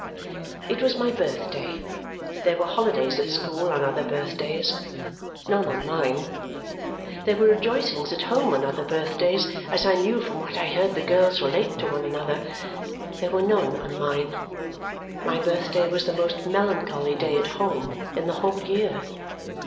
It was my birthday. There were holidays at school on other birthdays none on mine. There were rejoicings at home on other birthdays, as I knew from what I heard the girls relate to one another there were none on mine. My birthday was the most melancholy day at home in the whole year.